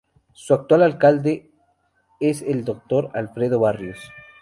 Su actual Alcalde es el Dr. Alfredo Barrios.